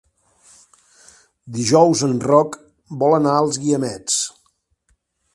Dijous en Roc vol anar als Guiamets.